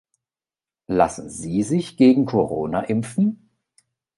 Lassen Sie sich gegen Corona impfen?